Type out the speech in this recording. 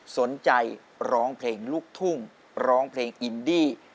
สนใจร้องเพลงลูกทุ่งร้องเพลงอินดี้